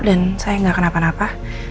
dan saya gak kenapa napa